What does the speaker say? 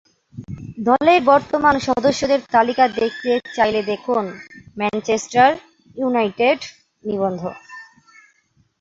দলের বর্তমান সদস্যদের তালিকা দেখতে চাইলে দেখুন, ম্যানচেস্টার ইউনাইটেড নিবন্ধ।